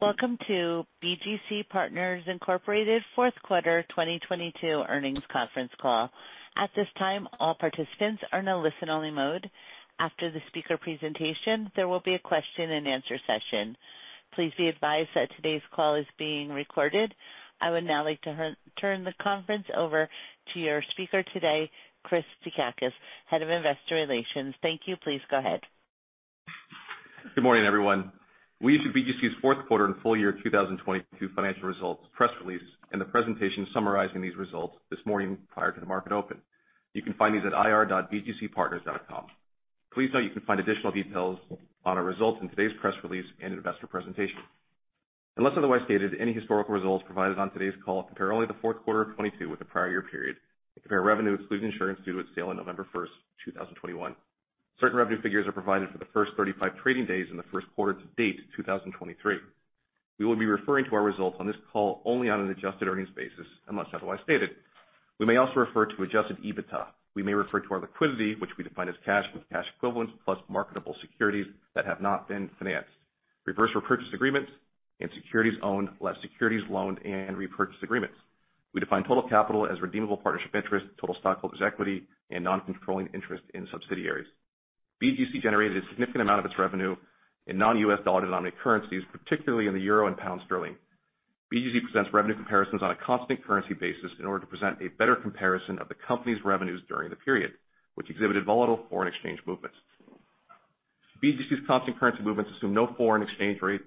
Welcome to BGC Partners, Inc. Q4 2022 earnings conference call. At this time, all participants are in a listen-only mode. After the speaker presentation, there will be a question-and-answer session. Please be advised that today's call is being recorded. I would now like to turn the conference over to your speaker today, Jason Chryssicas, Head of Investor Relations. Thank you. Please go ahead. Good morning, everyone. We issued BGC's Q4 and full year 2022 financial results press release and the presentation summarizing these results this morning prior to the market open. You can find these at ir.bgcpartners.com. Please note, you can find additional details on our results in today's press release and investor presentation. Unless otherwise stated, any historical results provided on today's call compare only the Q4 of 2022 with the prior year period and compare revenue excluding insurance due to its sale on November 1st, 2021. Certain revenue figures are provided for the first 35 trading days in the Q1 to date 2023. We will be referring to our results on this call only on an adjusted earnings basis, unless otherwise stated. We may also refer to adjusted EBITDA. We may refer to our liquidity, which we define as cash and cash equivalents plus marketable securities that have not been financed, reverse repurchase agreements and securities owned less securities loaned and repurchase agreements. We define total capital as redeemable partnership interest, total stockholders' equity, and non-controlling interest in subsidiaries. BGC generated a significant amount of its revenue in non-U.S. dollar-denominated currencies, particularly in the euro and pound sterling. BGC presents revenue comparisons on a constant currency basis in order to present a better comparison of the company's revenues during the period, which exhibited volatile foreign exchange movements. BGC's constant currency movements assume no foreign exchange rates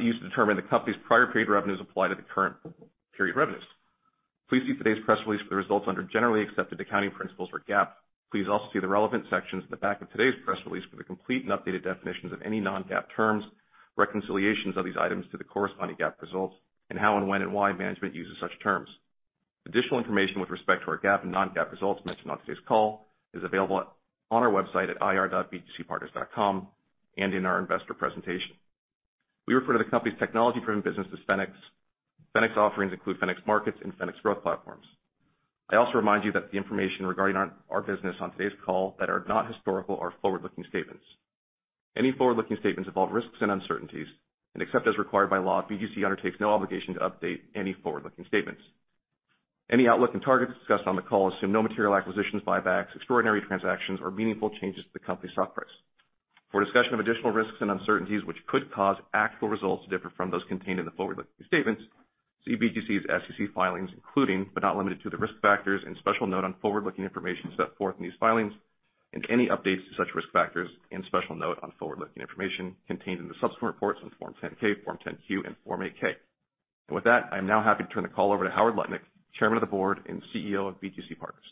used to determine the company's prior paid revenues apply to the current period revenues. Please see today's press release for the results under generally accepted accounting principles or GAAP. Please also see the relevant sections in the back of today's press release for the complete and updated definitions of any non-GAAP terms, reconciliations of these items to the corresponding GAAP results, and how and when and why management uses such terms. Additional information with respect to our GAAP and non-GAAP results mentioned on today's call is available on our website at ir.bgcg.com and in our investor presentation. We refer to the company's technology-driven business as Fenics. Fenics offerings include Fenics Markets and Fenics Growth Platforms. I also remind you that the information regarding our business on today's call that are not historical are forward-looking statements. Any forward-looking statements involve risks and uncertainties, except as required by law, BGC undertakes no obligation to update any forward-looking statements. Any outlook and targets discussed on the call assume no material acquisitions, buybacks, extraordinary transactions, or meaningful changes to the company's stock price. For discussion of additional risks and uncertainties which could cause actual results to differ from those contained in the forward-looking statements, see BGC's SEC filings, including, but not limited to, the Risk Factors and Special Note on Forward-Looking Information set forth in these filings and any updates to such Risk Factors and Special Note on Forward-Looking Information contained in the subsequent reports on Form 10-K, Form 10-Q, and Form 8-K. With that, I am now happy to turn the call over to Howard Lutnick, Chairman of the Board and CEO of BGC Partners.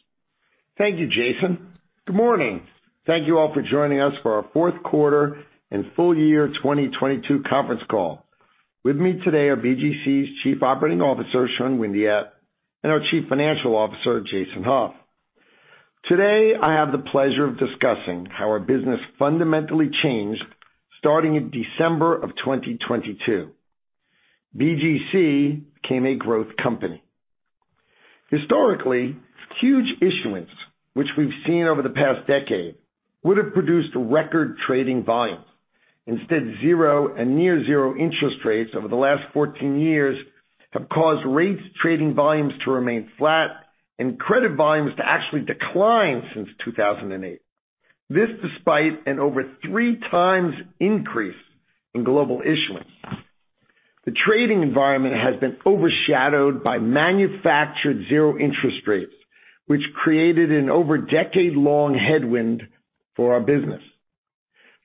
Thank you, Jason. Good morning. Thank you all for joining us for our Q4 and full year 2022 conference call. With me today are BGC's Chief Operating Officer, Sean Windeatt, and our Chief Financial Officer, Jason Hauf. Today, I have the pleasure of discussing how our business fundamentally changed starting in December of 2022. BGC became a growth company. Historically, huge issuance, which we've seen over the past decade, would have produced record trading volumes. Instead, zero and near zero interest rates over the last 14 years have caused rates trading volumes to remain flat and credit volumes to actually decline since 2008. This despite an over 3x increase in global issuance. The trading environment has been overshadowed by manufactured zero interest rates, which created an over decade-long headwind for our business.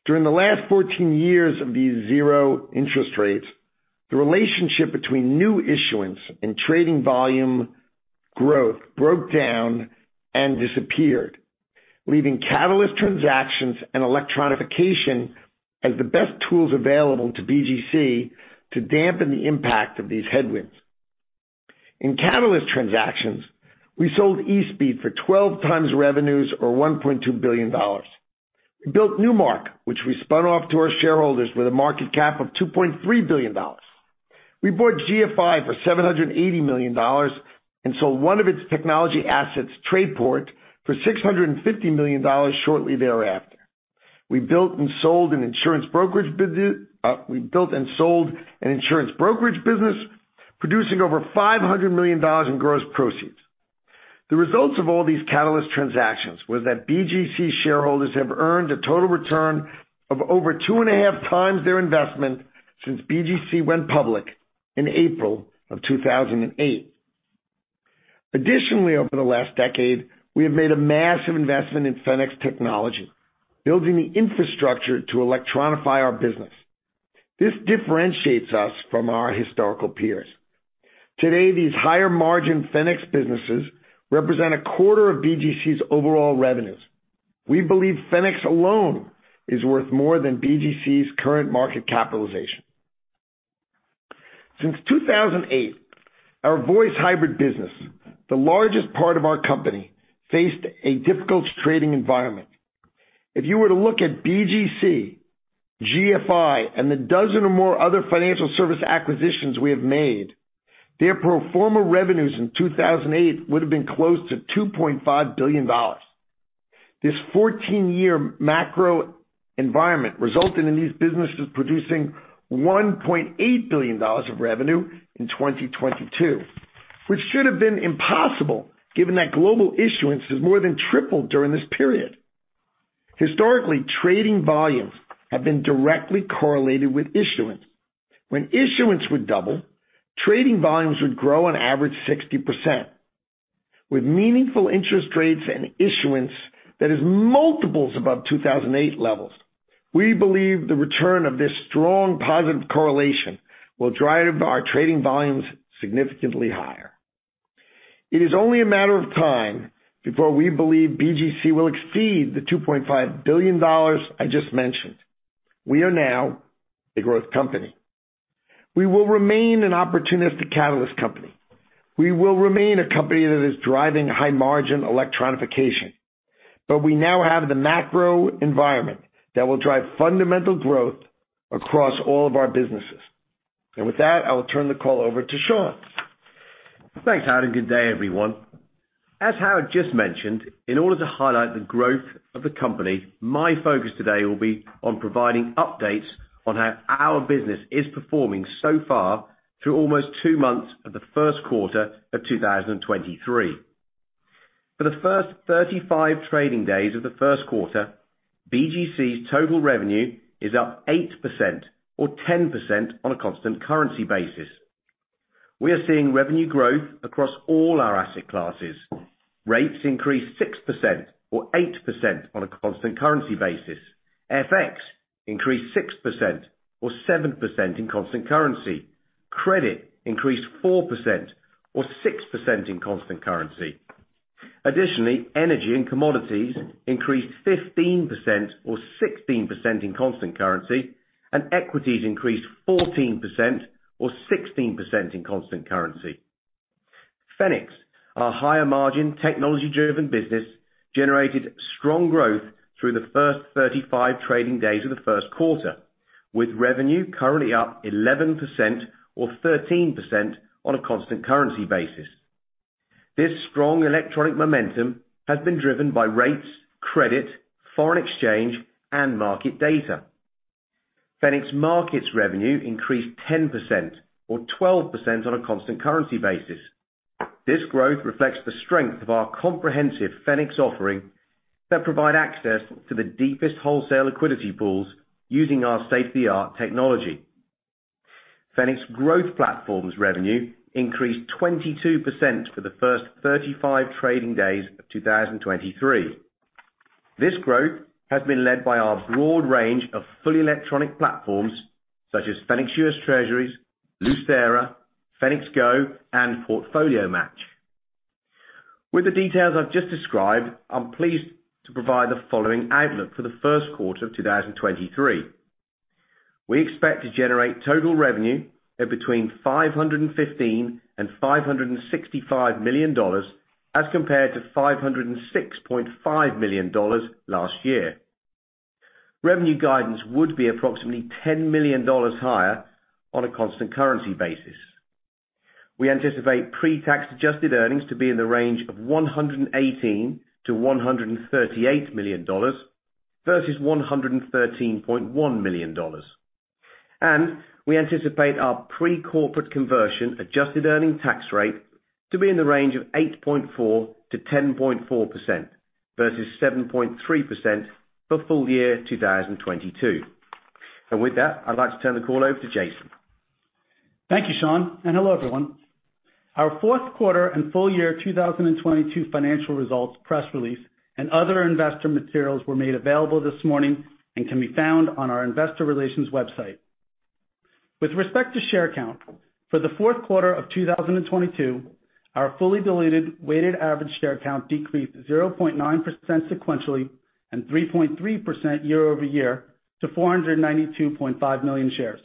During the last 14 years of these zero interest rates, the relationship between new issuance and trading volume growth broke down and disappeared, leaving catalyst transactions and electronification as the best tools available to BGC to dampen the impact of these headwinds. In catalyst transactions, we sold eSpeed for 12x revenues or $1.2 billion. We built Newmark, which we spun off to our shareholders with a market cap of $2.3 billion. We bought GFI for $780 million and sold one of its technology assets, Trayport, for $650 million shortly thereafter. We built and sold an insurance brokerage business producing over $500 million in gross proceeds. The results of all these catalyst transactions was that BGC shareholders have earned a total return of over 2.5x their investment since BGC went public in April of 2008. Additionally, over the last decade, we have made a massive investment in Fenics technology, building the infrastructure to electronify our business. This differentiates us from our historical peers. Today, these higher-margin Fenics businesses represent a quarter of BGC's overall revenues. We believe Fenics alone is worth more than BGC's current market capitalization. Since 2008, our voice hybrid business, the largest part of our company, faced a difficult trading environment. If you were to look at BGC, GFI, and the dozen or more other financial service acquisitions we have made, their pro forma revenues in 2008 would've been close to $2.5 billion. This 14-year macro environment resulted in these businesses producing $1.8 billion of revenue in 2022, which should have been impossible given that global issuance has more than tripled during this period. Historically, trading volumes have been directly correlated with issuance. When issuance would double, trading volumes would grow on average 60%. With meaningful interest rates and issuance that is multiples above 2008 levels, we believe the return of this strong positive correlation will drive our trading volumes significantly higher. It is only a matter of time before we believe BGC will exceed the $2.5 billion I just mentioned. We are now a growth company. We will remain an opportunistic catalyst company. We will remain a company that is driving high margin electronification, we now have the macro environment that will drive fundamental growth across all of our businesses. With that, I will turn the call over to Sean. Thanks, Howard, and good day, everyone. As Howard just mentioned, in order to highlight the growth of the company, my focus today will be on providing updates on how our business is performing so far through almost two months of the Q1 of 2023. For the 1st 35 trading days of the Q1, BGC's total revenue is up 8% or 10% on a constant currency basis. We are seeing revenue growth across all our asset classes. Rates increased 6% or 8% on a constant currency basis. FX increased 6% or 7% in constant currency. Credit increased 4% or 6% in constant currency. Additionally, energy and commodities increased 15% or 16% in constant currency, and equities increased 14% or 16% in constant currency. Fenics, our higher margin technology-driven business, generated strong growth through the first 35 trading days of the Q1, with revenue currently up 11% or 13% on a constant currency basis. This strong electronic momentum has been driven by rates, credit, foreign exchange, and market data. Fenics Markets revenue increased 10% or 12% on a constant currency basis. This growth reflects the strength of our comprehensive Fenics offering that provide access to the deepest wholesale liquidity pools using our state-of-the-art technology. Fenics Growth Platforms revenue increased 22% for the first 35 trading days of 2023. This growth has been led by our broad range of fully electronic platforms such as Fenics U.S. Treasuries, Lucera, Fenics GO, and Portfolio Match. With the details I've just described, I'm pleased to provide the following outlook for the Q1 of 2023. We expect to generate total revenue of between $515 million and $565 million as compared to $506.5 million last year. Revenue guidance would be approximately $10 million higher on a constant currency basis. We anticipate pre-tax adjusted earnings to be in the range of $118 million-$138 million versus $113.1 million. We anticipate our pre-corporate conversion adjusted earning tax rate to be in the range of 8.4%-10.4% versus 7.3% for full year 2022. With that, I'd like to turn the call over to Jason. Thank you, Sean. Hello, everyone. Our Q4 and full year 2022 financial results, press release, and other investor materials were made available this morning and can be found on our investor relations website. With respect to share count, for the Q4 of 2022, our fully diluted weighted average share count decreased 0.9% sequentially and 3.3% year-over-year to 492.5 million shares.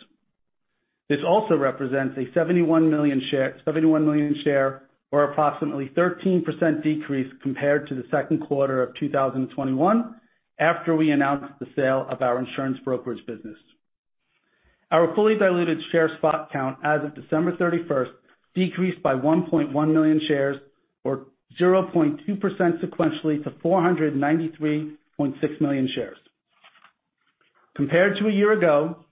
This also represents a 71 million share or approximately 13% decrease compared to the Q2 of 2021 after we announced the sale of our insurance brokerage business. Our fully diluted share spot count as of December 31st decreased by 1.1 million shares or 0.2% sequentially to 493.6 million shares. Compared to a year ago,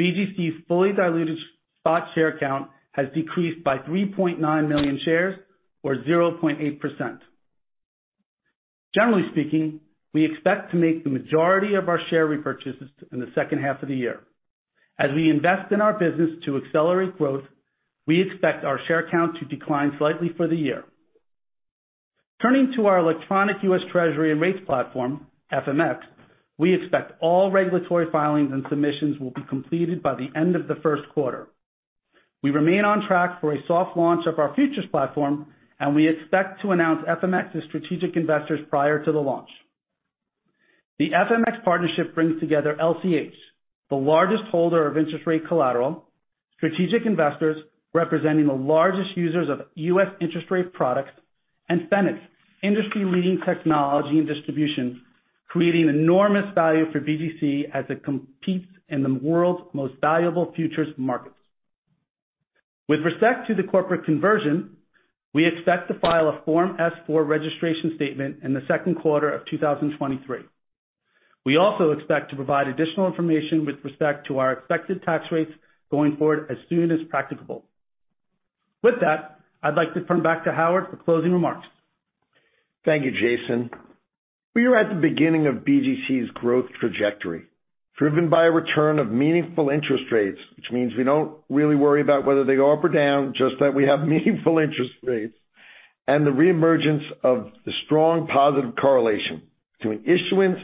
BGC's fully diluted spot share count has decreased by 3.9 million shares or 0.8%. Generally speaking, we expect to make the majority of our share repurchases in the second half of the year. As we invest in our business to accelerate growth, we expect our share count to decline slightly for the year. Turning to our electronic U.S. Treasury and rates platform, FMX, we expect all regulatory filings and submissions will be completed by the end of the Q1. We remain on track for a soft launch of our futures platform. We expect to announce FMX's strategic investors prior to the launch. The FMX partnership brings together LCH, the largest holder of interest rate collateral, strategic investors representing the largest users of U.S. interest rate products, and Fenics, industry-leading technology and distribution, creating enormous value for BGC as it competes in the world's most valuable futures markets. With respect to the corporate conversion, we expect to file a Form S-4 registration statement in the Q2 of 2023. We expect to provide additional information with respect to our expected tax rates going forward as soon as practicable. With that, I'd like to turn back to Howard for closing remarks. Thank you, Jason. We are at the beginning of BGC's growth trajectory, driven by a return of meaningful interest rates, which means we don't really worry about whether they go up or down, just that we have meaningful interest rates, and the reemergence of the strong positive correlation to an issuance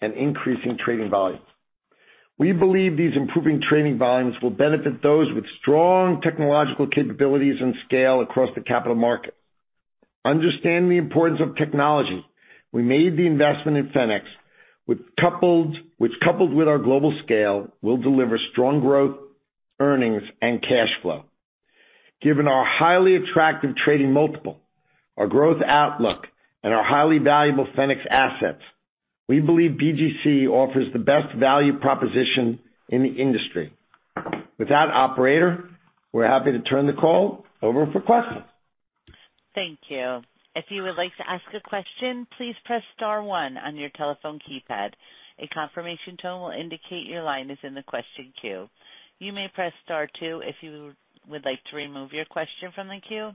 and increasing trading volumes. We believe these improving trading volumes will benefit those with strong technological capabilities and scale across the capital markets. Understanding the importance of technology, we made the investment in Fenics, which coupled with our global scale, will deliver strong growth, earnings, and cash flow. Given our highly attractive trading multiple, our growth outlook, and our highly valuable Fenics assets, we believe BGC offers the best value proposition in the industry. Operator, we're happy to turn the call over for questions. Thank you. If you would like to ask a question, please press star one on your telephone keypad. A confirmation tone will indicate your line is in the question queue. You may press star two if you would like to remove your question from the queue.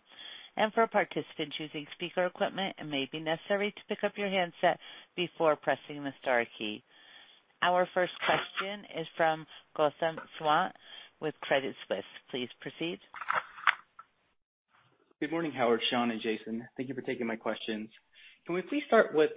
For a participant choosing speaker equipment, it may be necessary to pick up your handset before pressing the star key. Our first question is from Gautam Sawant with Credit Suisse. Please proceed. Good morning, Howard, Sean, and Jason. Thank you for taking my questions. Can we please start with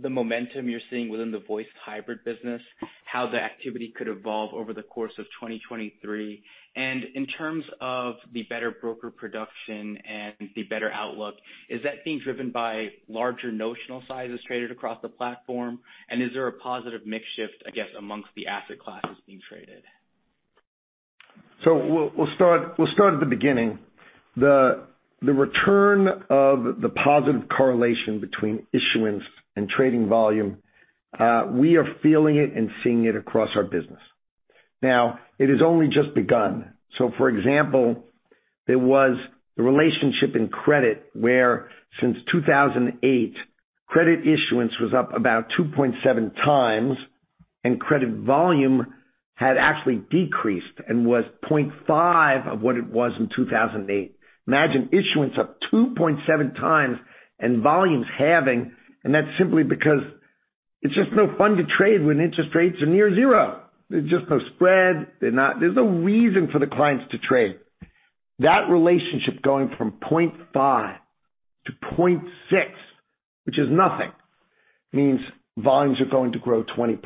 the momentum you're seeing within the voice hybrid business, how the activity could evolve over the course of 2023? In terms of the better broker production and the better outlook, is that being driven by larger notional sizes traded across the platform? Is there a positive mix shift, I guess, amongst the asset classes being traded? We'll start at the beginning. The return of the positive correlation between issuance and trading volume, we are feeling it and seeing it across our business. It has only just begun. For example, there was the relationship in credit, where since 2008, credit issuance was up about 2.7x, and credit volume had actually decreased and was 0.5 of what it was in 2008. Imagine issuance up 2.7x and volumes halving, and that's simply because it's just no fun to trade when interest rates are near zero. There's just no spread. There's no reason for the clients to trade. That relationship going from 0.5-0.6, which is nothing, means volumes are going to grow 20%.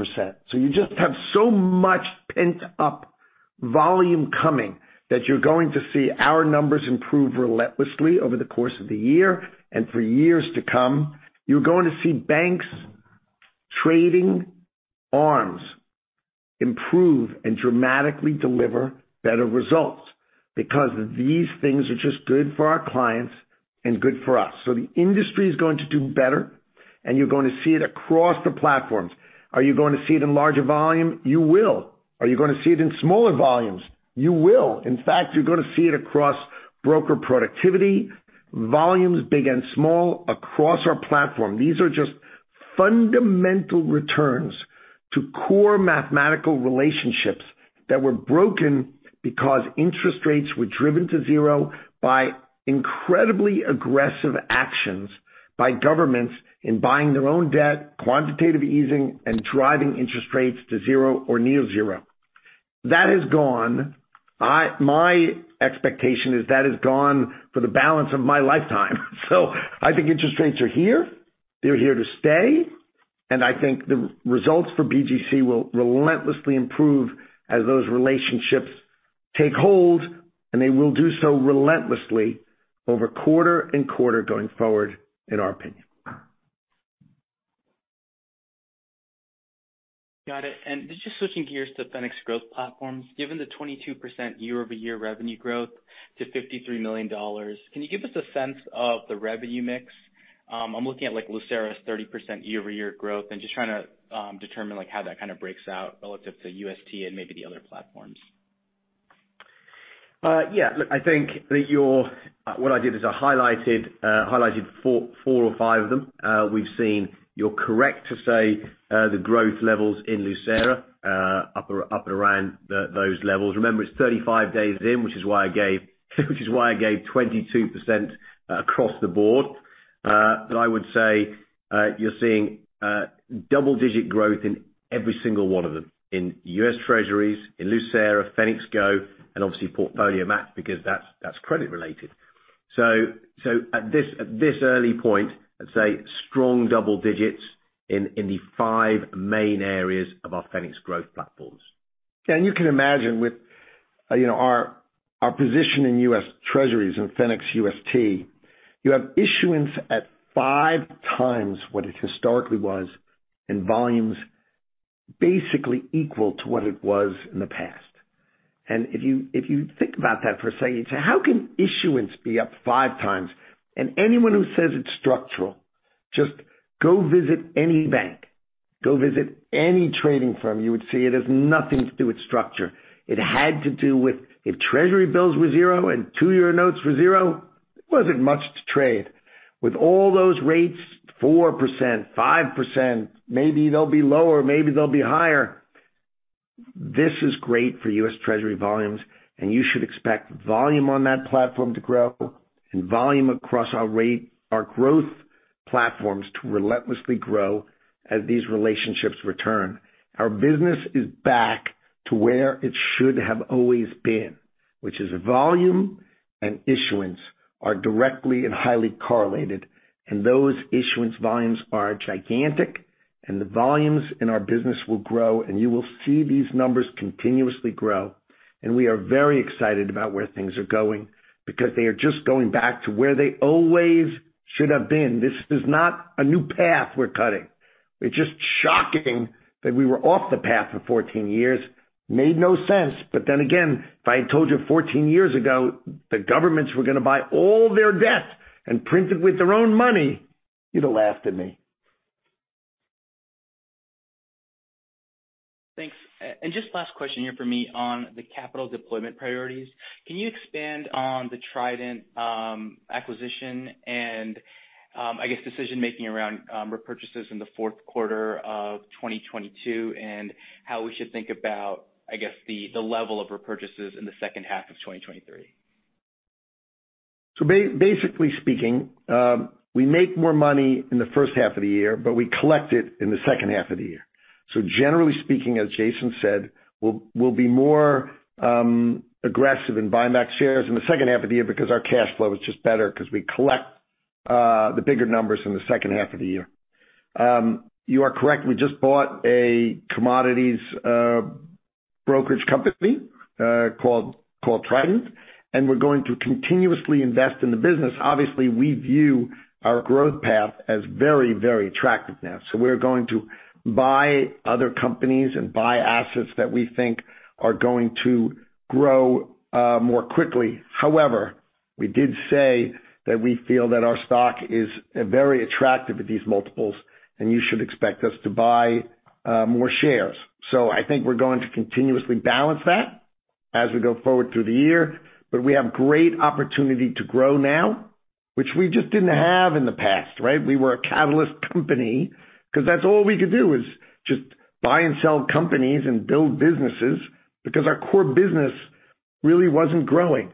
You just have so much pent-up volume coming that you're going to see our numbers improve relentlessly over the course of the year and for years to come. You're going to see banks' trading arms improve and dramatically deliver better results because these things are just good for our clients and good for us. The industry is going to do better, and you're going to see it across the platforms. Are you going to see it in larger volume? You will. Are you gonna see it in smaller volumes? You will. In fact, you're gonna see it across broker productivity, volumes big and small across our platform. These are just fundamental returns to core mathematical relationships that were broken because interest rates were driven to zero by incredibly aggressive actions by governments in buying their own debt, quantitative easing, and driving interest rates to zero or near zero. That is gone. My expectation is that is gone for the balance of my lifetime. I think interest rates are here, they're here to stay, and I think the results for BGC will relentlessly improve as those relationships take hold, and they will do so relentlessly over quarter and quarter going forward, in our opinion. Got it. Just switching gears to the Fenics Growth Platforms. Given the 22% year-over-year revenue growth to $53 million, can you give us a sense of the revenue mix? I'm looking at, like, Lucera's 30% year-over-year growth and just trying to determine, like, how that kinda breaks out relative to UST and maybe the other platforms. Yeah, look, I think that what I did is I highlighted four or five of them. You're correct to say, the growth levels in Lucera, up around those levels. Remember it's 35 days in, which is why I gave 22% across the board. I would say, you're seeing double-digit growth in every single one of them, in U.S. Treasuries, in Lucera, Fenics GO, and obviously Portfolio Match, because that's credit related. At this early point, I'd say strong double digits in the five main areas of our Fenics Growth Platforms. You can imagine with, you know, our position in U.S. Treasuries and Fenics UST, you have issuance at 5x what it historically was and volumes basically equal to what it was in the past. If you, if you think about that for a second, you'd say, "How can issuance be up 5x?" Anyone who says it's structural, just go visit any bank. Go visit any trading firm, you would see it has nothing to do with structure. It had to do with if Treasury bills were zero and two-year notes were zero, there wasn't much to trade. With all those rates, 4%, 5%, maybe they'll be lower, maybe they'll be higher. This is great for U.S. Treasury volumes. You should expect volume on that platform to grow and volume across our Fenics Growth Platforms to relentlessly grow as these relationships return. Our business is back to where it should have always been, which is volume and issuance are directly and highly correlated. Those issuance volumes are gigantic. The volumes in our business will grow. You will see these numbers continuously grow. We are very excited about where things are going because they are just going back to where they always should have been. This is not a new path we're cutting. It's just shocking that we were off the path for 14 years. Made no sense. Again, if I told you 14 years ago that governments were going to buy all their debt and print it with their own money, you would have laughed at me. Thanks. Just last question here for me on the capital deployment priorities. Can you expand on the Trident acquisition and, I guess, decision-making around repurchases in the Q4 of 2022 and how we should think about, I guess, the level of repurchases in the second half of 2023. Basically speaking, we make more money in the first half of the year, but we collect it in the second half of the year. Generally speaking, as Jason said, we'll be more aggressive in buying back shares in the second half of the year because our cash flow is just better 'cause we collect the bigger numbers in the second half of the year. You are correct. We just bought a commodities brokerage company called Trident, and we're going to continuously invest in the business. Obviously, we view our growth path as very, very attractive now. We're going to buy other companies and buy assets that we think are going to grow more quickly. We did say that we feel that our stock is very attractive at these multiples, and you should expect us to buy more shares. I think we're going to continuously balance that as we go forward through the year. We have great opportunity to grow now, which we just didn't have in the past, right? We were a catalyst company 'cause that's all we could do, is just buy and sell companies and build businesses because our core business really wasn't growing.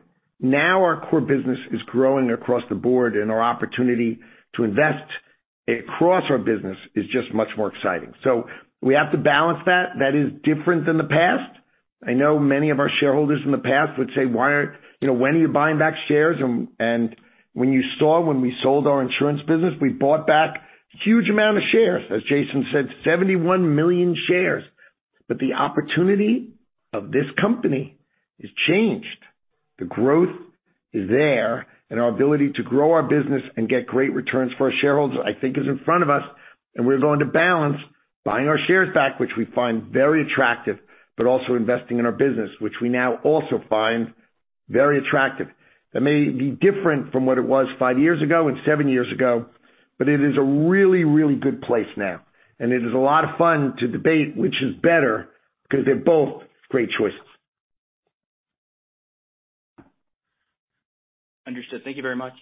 Our core business is growing across the board, and our opportunity to invest across our business is just much more exciting. We have to balance that. That is different than the past. I know many of our shareholders in the past would say, you know, when are you buying back shares? When you saw when we sold our insurance business, we bought back huge amount of shares, as Jason said, 71 million shares. The opportunity of this company has changed. The growth is there, and our ability to grow our business and get great returns for our shareholders, I think is in front of us, and we're going to balance buying our shares back, which we find very attractive, but also investing in our business, which we now also find very attractive. That may be different from what it was five years ago and seven years ago, but it is a really, really good place now, and it is a lot of fun to debate which is better because they're both great choices. Understood. Thank you very much.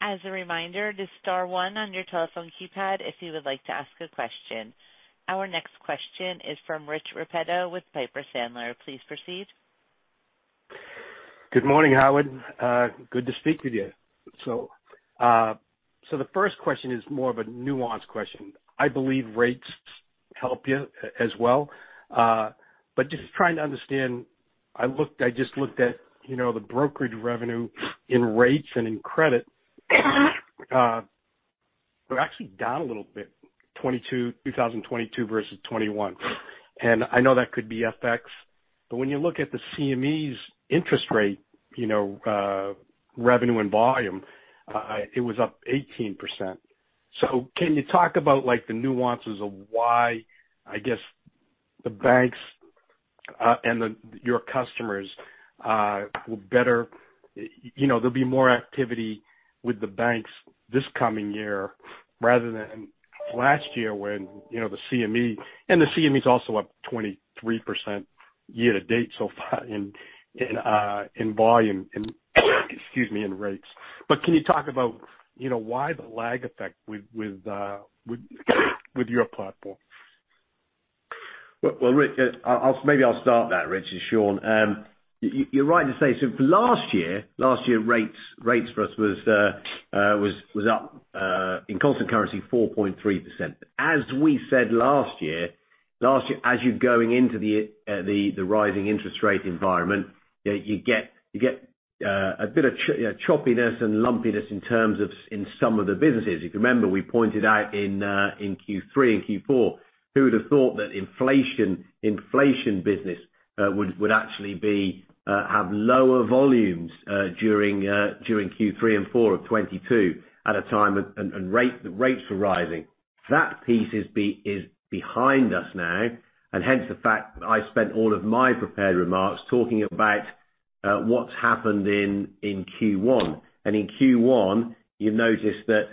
As a reminder, just star one on your telephone keypad if you would like to ask a question. Our next question is from Rich Repetto with Piper Sandler. Please proceed. Good morning, Howard. Good to speak with you. The first question is more of a nuanced question. I believe rates help you as well, but just trying to understand. I just looked at, you know, the brokerage revenue in rates and in credit. They're actually down a little bit, 2022 versus 2021. I know that could be FX, but when you look at the CME's interest rate, you know, revenue and volume, it was up 18%. Can you talk about like the nuances of why, I guess the banks, and your customers, will better... You know, there'll be more activity with the banks this coming year rather than last year when, you know, the CME. The CME is also up 23% year-to-date so far in volume and, excuse me, in rates. Can you talk about, you know, why the lag effect with your platform? Well, Rich, maybe I'll start that Rich, it's Sean. You're right to say so. For last year, last year rates for us was up in constant currency, 4.3%. As we said last year, last year, as you're going into the rising interest rate environment, you know, you get a bit of you know, choppiness and lumpiness in terms of, in some of the businesses. If you remember, we pointed out in Q3 and Q4 who would have thought that inflation business would actually be have lower volumes during Q3 and Q4 of 2022 at a time when rates were rising. That piece is behind us now, and hence the fact I spent all of my prepared remarks talking about. What's happened in Q1. In Q1, you've noticed that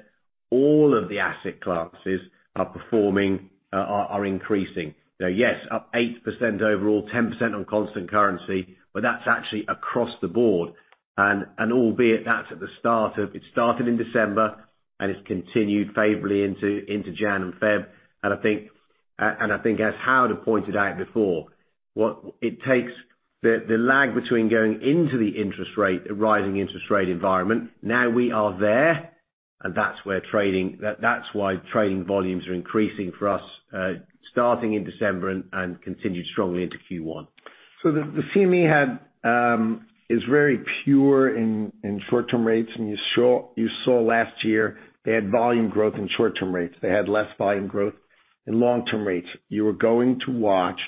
all of the asset classes are performing, are increasing. Now, yes, up 8% overall, 10% on constant currency, but that's actually across the board. Albeit it started in December, and it's continued favorably into Jan and Feb. As Howard pointed out before, what it takes the lag between going into the interest rate, a rising interest rate environment, now we are there, and that's why trading volumes are increasing for us, starting in December and continued strongly into Q1. The CME had, is very pure in short-term rates. You saw last year they had volume growth in short-term rates. They had less volume growth in long-term rates. You are going to watch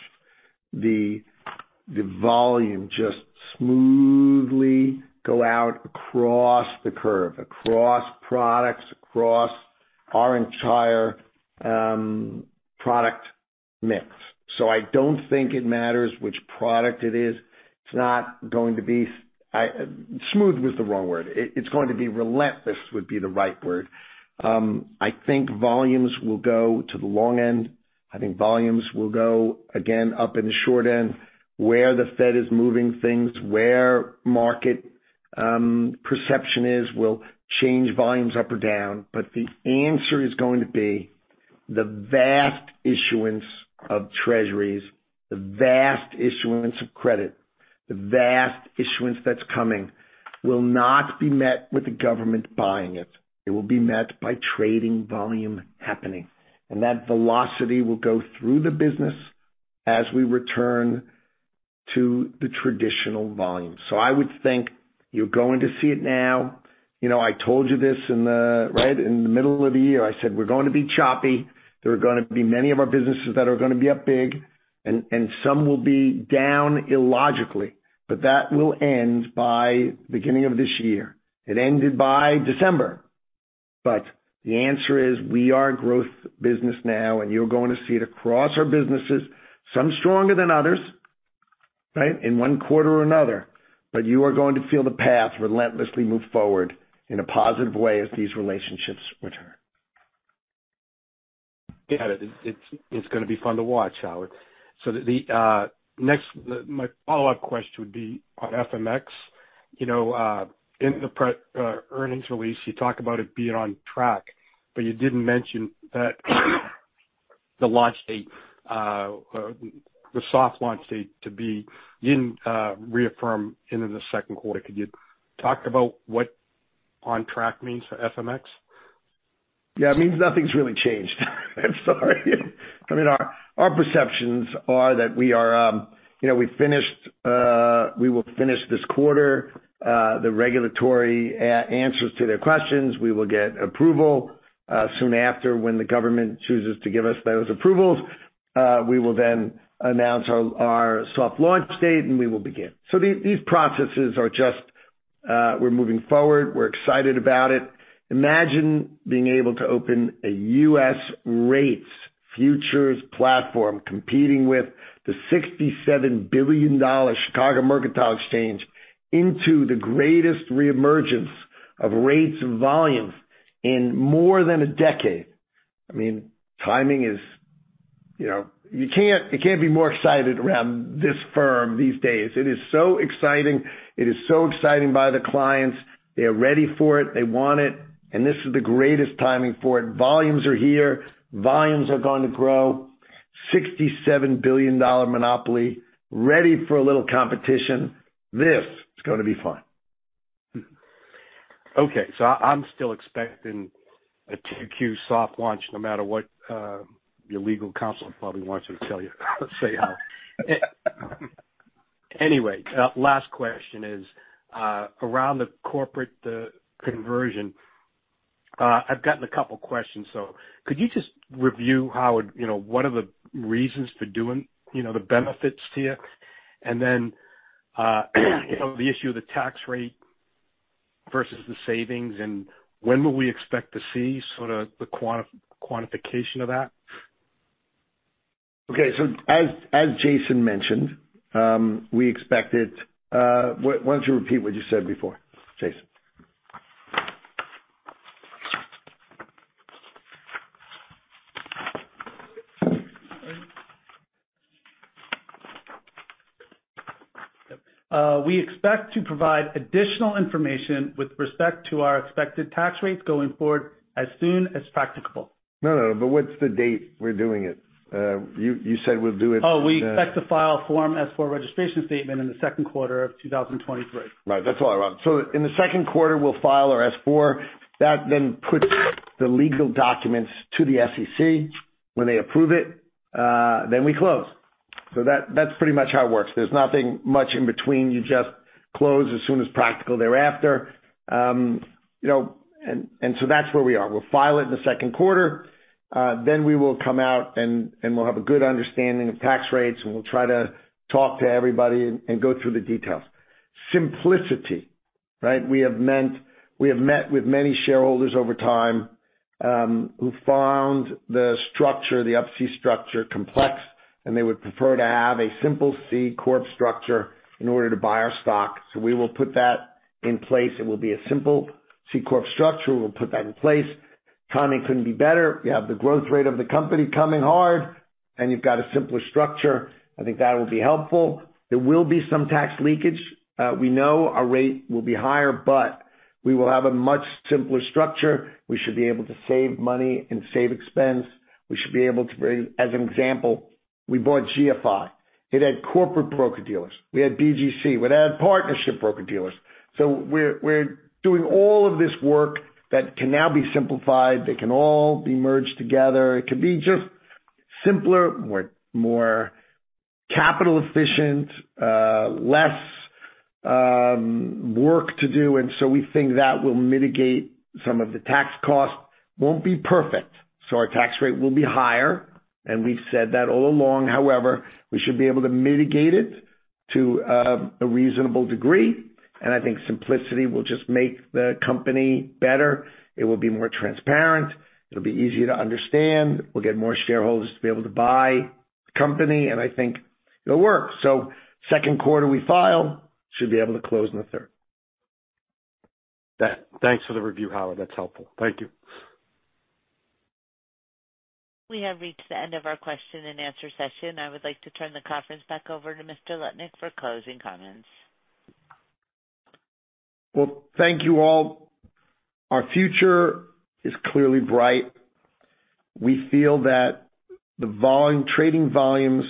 the volume just smoothly go out across the curve, across products, across our entire product mix. I don't think it matters which product it is. It's not going to be. Smooth was the wrong word. It's going to be. Relentless would be the right word. I think volumes will go to the long end. I think volumes will go again up in the short end, where the Fed is moving things, where market, perception is will change volumes up or down. The answer is going to be the vast issuance of treasuries, the vast issuance of credit, the vast issuance that's coming will not be met with the government buying it. It will be met by trading volume happening. That velocity will go through the business as we return to the traditional volumes. I would think you're going to see it now. You know, I told you this in the, right? In the middle of the year, I said, "We're going to be choppy. There are gonna be many of our businesses that are gonna be up big, and some will be down illogically, but that will end by beginning of this year." It ended by December. The answer is, we are a growth business now, and you're going to see it across our businesses, some stronger than others, right? In one quarter or another, but you are going to feel the path relentlessly move forward in a positive way as these relationships return. Got it. It's, it's gonna be fun to watch, Howard. My follow-up question would be on FMX. You know, in the pre earnings release, you talk about it being on track, but you didn't mention that the launch date, or the soft launch date to be reaffirmed into the Q2. Could you talk about what on track means for FMX? It means nothing's really changed. I'm sorry. I mean, our perceptions are that we are, you know, we finished, we will finish this quarter, the regulatory answers to their questions. We will get approval soon after when the government chooses to give us those approvals. We will announce our soft launch date, and we will begin. These processes are just, we're moving forward. We're excited about it. Imagine being able to open a U.S. rates futures platform competing with the $67 billion Chicago Mercantile Exchange into the greatest reemergence of rates and volumes in more than a decade. I mean, timing is, you know... You can't be more excited around this firm these days. It is so exciting. It is so exciting by the clients. They're ready for it. They want it, and this is the greatest timing for it. Volumes are here. Volumes are going to grow. $67 billion monopoly ready for a little competition. This is going to be fun. I'm still expecting a TQ soft launch no matter what your legal counsel probably wants me to tell you or say, Howard. Last question is around the corporate conversion. I've gotten a couple questions. Could you just review, you know, what are the reasons for doing, you know, the benefits to you? The issue of the tax rate versus the savings, and when will we expect to see sort of the quantification of that? As Jason mentioned, we expected. Why don't you repeat what you said before, Jason? We expect to provide additional information with respect to our expected tax rates going forward as soon as practicable. No, no, what's the date we're doing it? You said we'll do it. We expect to file Form S-4 registration statement in the Q2 of 2023. Right. That's what I wrote. In the Q2, we'll file our Form S-4. That then puts the legal documents to the SEC. When they approve it, then we close. That's pretty much how it works. There's nothing much in between. You just close as soon as practical thereafter. You know, that's where we are. We'll file it in the Q2. We will come out and we'll have a good understanding of tax rates, and we'll try to talk to everybody and go through the details. Simplicity, right? We have met with many shareholders over time, who found the structure, the Up-C structure complex, and they would prefer to have a simple C corp structure in order to buy our stock. We will put that in place. It will be a simple C corp structure. We'll put that in place. Timing couldn't be better. You have the growth rate of the company coming hard, you've got a simpler structure. I think that will be helpful. There will be some tax leakage. We know our rate will be higher, we will have a much simpler structure. We should be able to save money and save expense. As an example, we bought GFI. It had corporate broker-dealers. We had BGC. We'd had partnership broker-dealers. We're doing all of this work that can now be simplified. They can all be merged together. It can be just simpler, more capital efficient, less work to do, we think that will mitigate some of the tax costs. Won't be perfect, so our tax rate will be higher, and we've said that all along. However, we should be able to mitigate it to a reasonable degree, and I think simplicity will just make the company better. It will be more transparent. It'll be easier to understand. We'll get more shareholders to be able to buy the company, and I think it'll work. Q2 we file, should be able to close in the Q3. Thanks for the review, Howard. That's helpful. Thank you. We have reached the end of our question and answer session. I would like to turn the conference back over to Mr. Lutnick for closing comments. Well, thank you all. Our future is clearly bright. We feel that the volume, trading volumes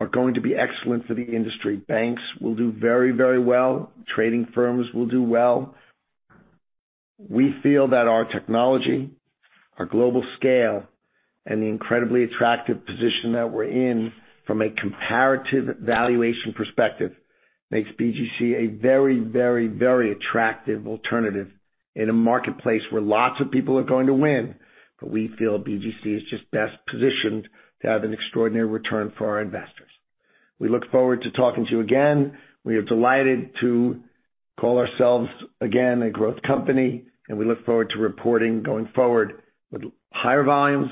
are going to be excellent for the industry. Banks will do very, very well. Trading firms will do well. We feel that our technology, our global scale, and the incredibly attractive position that we're in from a comparative valuation perspective makes BGC a very, very, very attractive alternative in a marketplace where lots of people are going to win. We feel BGC is just best positioned to have an extraordinary return for our investors. We look forward to talking to you again. We are delighted to call ourselves again a growth company. We look forward to reporting going forward with higher volumes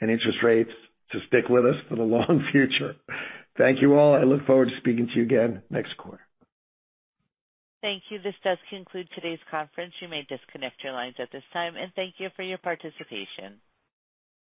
and interest rates to stick with us for the long future. Thank you all. I look forward to speaking to you again next quarter. Thank you. This does conclude today's conference. You may disconnect your lines at this time, and thank you for your participation.